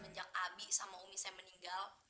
sejak abi sama umi saya meninggal